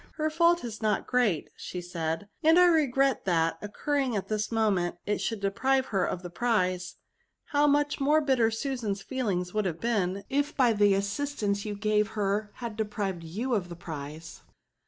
" Her fault is not great," •said she; " and I regret that, occurring at this moment, it should deprive her of the prize ; how much more bitter Susan's feelings would have been, if by the assistance you gave her she had deprived you of the prize